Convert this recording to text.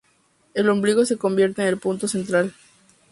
El ombligo se convierte en el punto central.